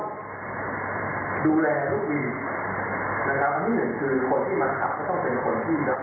ขับถึงร้อนสอนหรือก้าวเว้า